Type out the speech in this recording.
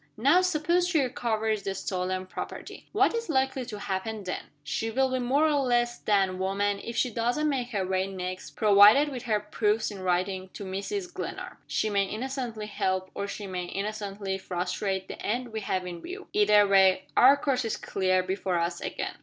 Now suppose she recovers the stolen property. What is likely to happen then? She will be more or less than woman if she doesn't make her way next, provided with her proofs in writing, to Mrs. Glenarm. She may innocently help, or she may innocently frustrate, the end we have in view either way, our course is clear before us again.